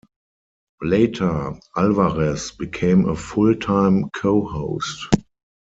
Later, Alvarez became a full-time co-host.